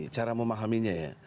cara memahaminya ya